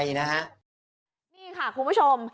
นี่ค่ะคุณผู้ชม